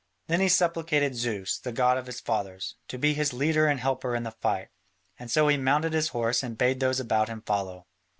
Then he supplicated Zeus, the god of his fathers, to be his leader and helper in the fight, and so he mounted his horse and bade those about him follow.